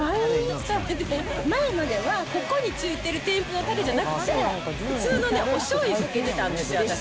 前までは、ここに付いてる添付のたれじゃなくて、普通のおしょうゆをかけてたんですよ、私。